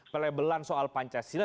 pelebelan soal pancasila